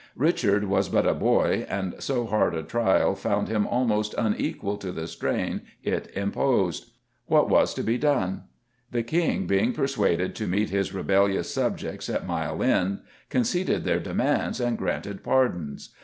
Richard was but a boy, and so hard a trial found him almost unequal to the strain it imposed. What was to be done? The King being persuaded to meet his rebellious subjects at Mile End, conceded their demands and granted pardons.